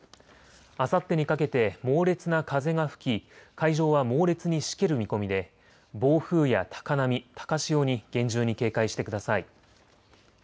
あさってにかけて猛烈な風が吹き海上は猛烈にしける見込みで暴風や高波、高潮に厳重に警戒してください。